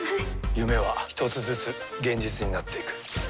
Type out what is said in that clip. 夢は１つずつ現実になっていく。